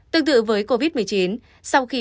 tương tự với covid một mươi chín sau khi